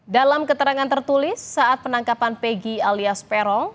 dalam keterangan tertulis saat penangkapan pegi alias peron